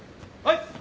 はい。